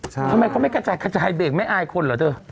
ทำไมเขาไม่กระจายเกิดให้เด็กไม่อายคนเหรอเถอะ